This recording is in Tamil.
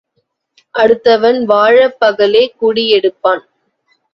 அடுத்தவன் வாழப் பகலே குடி எடுப்பான்.